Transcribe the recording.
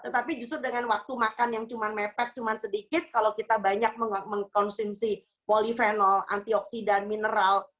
tetapi justru dengan waktu makan yang cuma mepet cuma sedikit kalau kita banyak mengkonsumsi polifenol antioksidan mineral